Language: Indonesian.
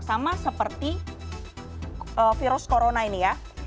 sama seperti virus corona ini ya